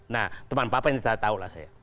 nah teman papa yang saya tahu